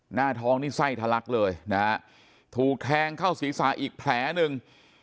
หน้าท้องนี่ไส้ทะลักเลยนะฮะถูกแทงเข้าศีรษะอีกแผลหนึ่ง